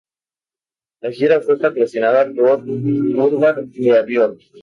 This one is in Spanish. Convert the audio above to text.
La gira fue patrocinada por "Urban Behavior".